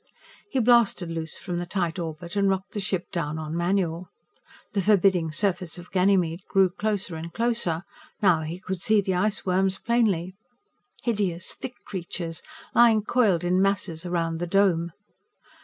He blasted loose from the tight orbit and rocked the ship down on manual. The forbidding surface of Ganymede grew closer and closer. Now he could see the iceworms plainly. Hideous, thick creatures, lying coiled in masses around the Dome.